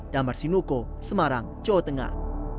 damar sinuko semarang jawa tengah